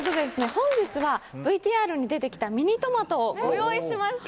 本日はＶＴＲに出て来たミニトマトをご用意しました！